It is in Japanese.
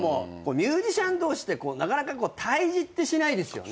ミュージシャン同士でなかなか対峙ってしないですよね。